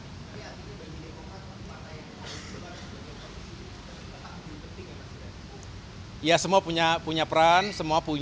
apakah artinya bagi demokrat memakai mata yang paling kebar dan bagi polisi yang paling penting